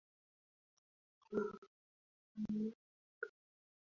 wao wanaonekana kama si sehemu ya Wasukuma lakini ni sehemu ya wasukuma na karibu